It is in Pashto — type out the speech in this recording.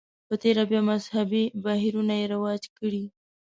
په تېره بیا مذهبي بهیرونو یې رواج کړي.